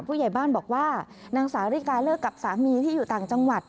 ผู้ใหญ่บ้านบอกว่านางสาวริกาเลิกกับสามีที่อยู่ต่างจังหวัด